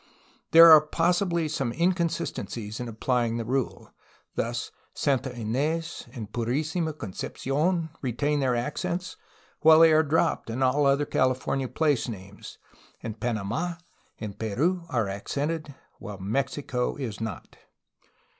There are possibly some inconsistencies in applying this rule. Thus, ^^Santa In^s^' and ^Turisima Con cepci6n'^ retain their accents, while they are dropped in all other California place names; and 'Tanamd" and 'Terii" are accented, while '^Mexico'' is not.